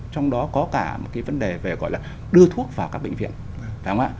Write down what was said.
trong đó có cả một cái vấn đề về gọi là đưa thuốc vào các bệnh viện